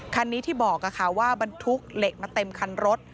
คันนี้ที่บอกว่าบรรทุกเหล็กมาเต็มคันรถ